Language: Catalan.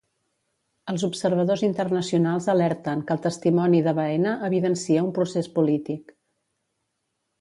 Els observadors internacionals alerten que el testimoni de Baena evidencia un procés polític.